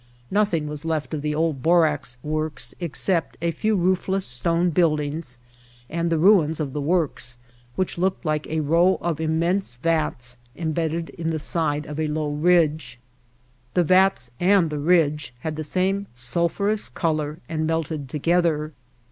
Nothing was left of the old borax works except a few roofless stone buildings and the ruins of the works which looked like a row of immense vats embedded in the side of a low ridge. The vats and the ridge had the same sulphurous color, and melted together.